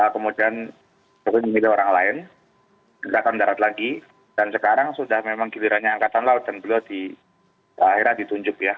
kemudian mungkin ini orang lain datang darat lagi dan sekarang sudah memang gilirannya angkatan laut dan belua di daerah ditunjuk ya